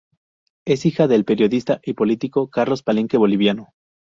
Es hija del periodista y político Carlos Palenque boliviano.